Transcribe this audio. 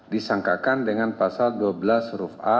disangkakan dengan pasal dua belas huruf a